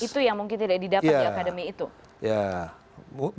itu yang mungkin tidak didapat di akademi itu